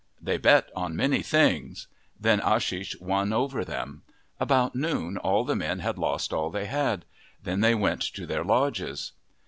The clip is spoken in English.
They bet on many things. Then Ashish won over them. About noon all the men had lost all they had. Then they went to their lodges.